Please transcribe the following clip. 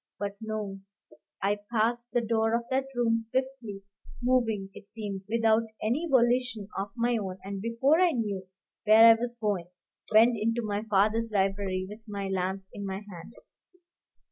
But no; I passed the door of that room swiftly, moving, it seemed, without any volition of my own, and before I knew where I was going, went into my father's library with my lamp in my hand.